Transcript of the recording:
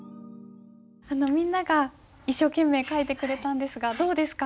みんなが一生懸命書いてくれたんですがどうですか？